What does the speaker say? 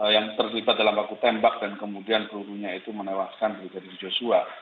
yang terlibat dalam waktu tembak dan kemudian pelurunya itu menewaskan brigadir joshua